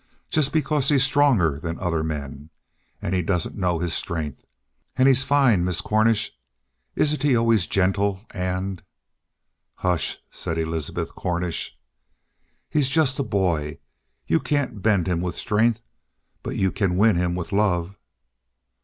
Just because he's stronger than other men. And he doesn't know his strength. And he's fine, Miss Cornish. Isn't he always gentle and " "Hush!" said Elizabeth Cornish. "He's just a boy; you can't bend him with strength, but you can win him with love."